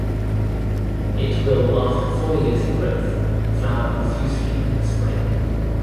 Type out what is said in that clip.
It will after four years of growth flower profusely in the spring.